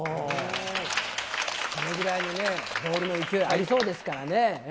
それぐらいのボールの勢いありそうですからね。